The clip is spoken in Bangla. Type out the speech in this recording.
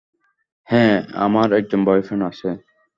হ্যাঁ, আমার একজন বয়ফ্রেন্ড আছে।